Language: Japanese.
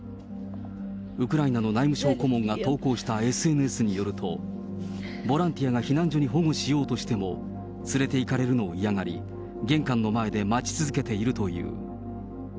ウクライナの内務省顧問が投稿したＳＮＳによると、ボランティアが避難所に保護しようとしても、連れていかれるのを嫌がり、玄関の前で待ち続けているという。